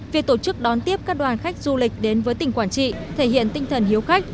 việc tổ chức đón tiếp các đoàn khách du lịch đến với tỉnh quảng trị thể hiện tinh thần hiếu khách